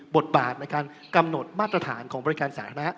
บทบาทกันเป็นการกำหนดมาตรฐานของบริการสาระ